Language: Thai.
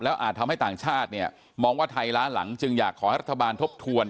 อาจทำให้ต่างชาติเนี่ยมองว่าไทยล้าหลังจึงอยากขอให้รัฐบาลทบทวน